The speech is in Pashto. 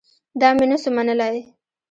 دا مې نه سو منلاى.